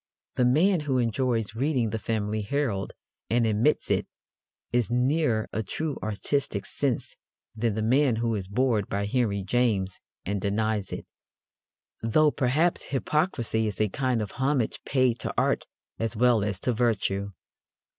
The man who enjoys reading The Family Herald, and admits it, is nearer a true artistic sense than the man who is bored by Henry James and denies it: though, perhaps, hypocrisy is a kind of homage paid to art as well as to virtue.